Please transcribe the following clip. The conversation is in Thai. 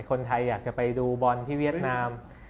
คนไทยอยากจะไปดูบอลที่เวียดนาม